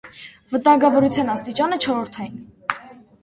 Վտանգավորության աստիճանը՝ չորրորդային։